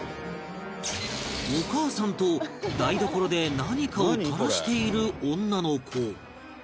お母さんと台所で何かを垂らしている女の子